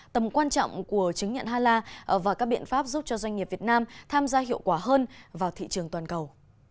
tầm quan trọng của chứng nhận hala và các biện pháp giúp cho doanh nghiệp việt nam tham gia hiệu quả hơn vào thị trường toàn cầu